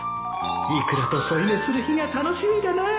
イクラと添い寝する日が楽しみだなぁ